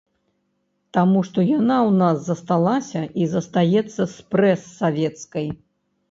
Таму што яна ў нас засталася і застаецца спрэс савецкай.